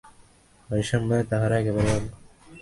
ঐ সম্বন্ধে তাহারা একেবারেই অজ্ঞ।